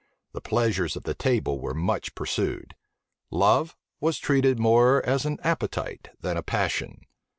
The pleasures of the table were much pursued. Love was treated more as an appetite than a passion.